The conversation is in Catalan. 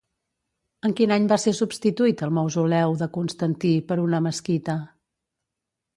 En quin any va ser substituït el mausoleu de Constantí per una mesquita?